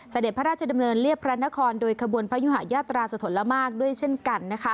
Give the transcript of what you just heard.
เสด็จพระราชดำเนินเรียบพระนครโดยขบวนพระยุหายาตราสะทนละมากด้วยเช่นกัน